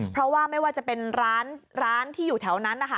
เพราะว่าไม่ว่าจะเป็นร้านที่อยู่แถวนั้นนะคะ